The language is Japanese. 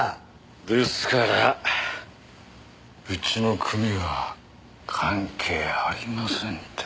ですからうちの組は関係ありませんって。